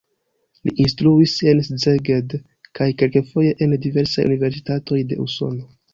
Li instruis en Szeged kaj kelkfoje en diversaj universitatoj de Usono.